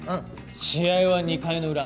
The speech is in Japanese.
試合は２回のウラ。